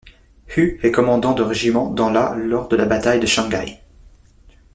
Hu est commandant de régiment dans la lors de la bataille de Shanghai.